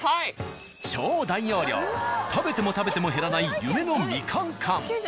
超大容量食べても食べても減らない夢のみかん缶。